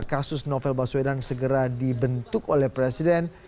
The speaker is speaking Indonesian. kasus novel baswedan segera dibentuk oleh presiden